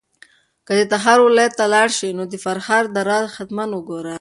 که د تخار ولایت ته لاړ شې نو د فرخار دره حتماً وګوره.